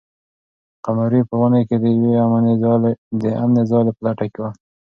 قمري په ونې کې د یوې امنې ځالۍ په لټه کې وه.